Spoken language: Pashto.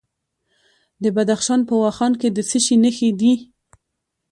د بدخشان په واخان کې د څه شي نښې دي؟